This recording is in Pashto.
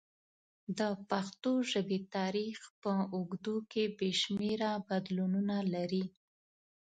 د پښتو ژبې تاریخ په اوږدو کې بې شمېره بدلونونه لري.